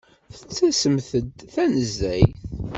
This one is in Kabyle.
Tettasemt-d tanezzayt.